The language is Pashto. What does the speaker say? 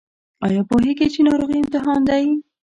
ایا پوهیږئ چې ناروغي امتحان دی؟